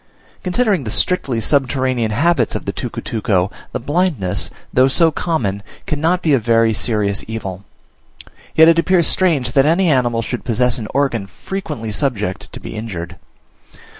Considering the strictly subterranean habits of the tucutuco, the blindness, though so common, cannot be a very serious evil; yet it appears strange that any animal should possess an organ frequently subject to be injured.